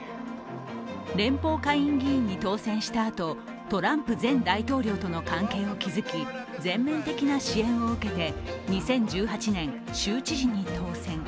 連邦下院議員に当選したあとトランプ前大統領との関係を築き全面的な支援を受けて２０１８年、州知事に当選。